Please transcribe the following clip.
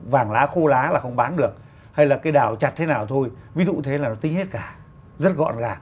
vàng lá khô lá là không bán được hay là cái đào chặt thế nào thôi ví dụ thế là nó tính hết cả rất gọn gàng